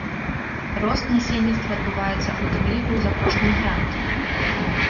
Рост насельніцтва адбываецца ў тым ліку і за кошт мігрантаў.